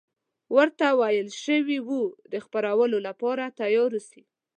ورته ویل شوي وو د خپرولو لپاره تیار اوسي.